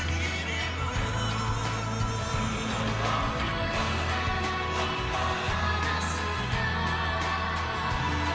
dan kepala cu empat a angkatan bersenjata singapura